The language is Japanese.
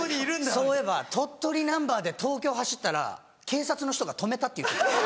そういえば鳥取ナンバーで東京走ったら警察の人が止めたって言ってた。